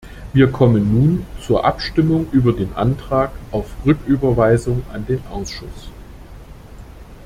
Wir kommen nun zur Abstimmung über den Antrag auf Rücküberweisung an den Ausschuss.